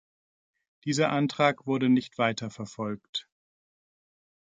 Dieser Antrag wurde nicht weiter verfolgt.